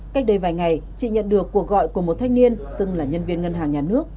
cách đây vài ngày chị nhận được cuộc gọi của một thanh niên xưng là nhân viên ngân hàng nhà nước